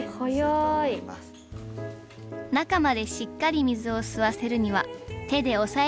中までしっかり水を吸わせるには手で押さえつけないのがコツ。